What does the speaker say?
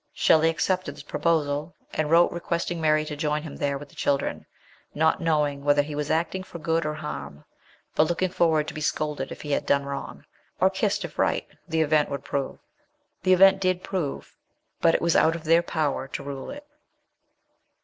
Shelley accepted this proposal, and wrote requesting Mary to join him there with the children, not knowing whether lie was acting for good or harm, but looking forward to be scolded if he had done wrong, or kissed if right the event would prove. The event did prove ; but it was out of their power to rule it.